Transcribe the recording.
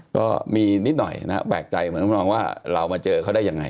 ก็มีนิดหน่อยนะแปลกใจเหมือนทำนองว่าเรามาเจอเขาได้ยังไง